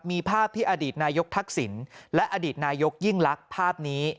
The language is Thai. มีภาพที่อดีตนายกทักษิณและอดีตนายกยิ่งลักษณ์ภาพนี้